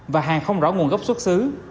và hàng không rõ nguồn gốc xuất xứ